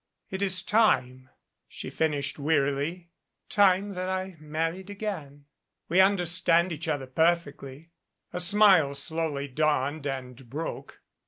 It is time " she finished wearily, "time that I married again. We understand each other perfectly." A smile slowly dawned and broke.